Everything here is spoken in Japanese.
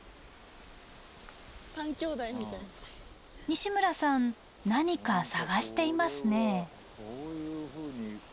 西村さん何か探していますね。